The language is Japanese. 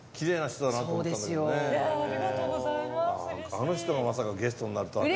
あの人がまさかゲストになるとはね。